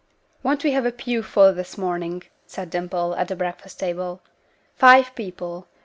"Won't we have a pew full this morning?" said Dimple, at the breakfast table. "Five people.